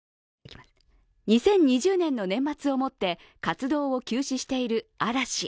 ２０２０年の年末をもって活動を休止している嵐。